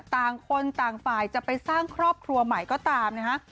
ต่างคนต่างฝ่ายจะไปสร้างครอบครัวใหม่ก็ตามนะฮะ